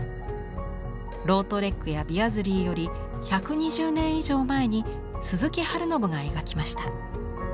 ロートレックやビアズリーより１２０年以上前に鈴木春信が描きました。